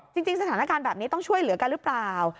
จริงสถานการณ์แบบนี้ต้องช่วยเหลือกันหรือเปล่า